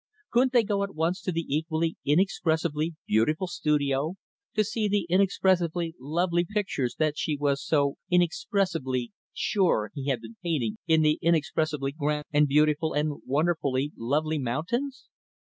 Couldn't they go at once to the equally inexpressibly beautiful studio, to see the inexpressibly lovely pictures that she was so inexpressibly sure he had been painting in the inexpressibly grand and beautiful and wonderfully lovely mountains?